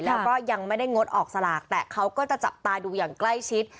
แล้วก็ยังไม่ได้งดออกสลากแต่เขาก็จะจับตาดูอย่างใกล้ชิด